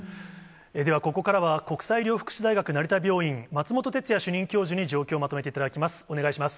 では、ここからは、国際医療福祉大学成田病院、松本哲哉主任教授に、状況をまとめていただきます。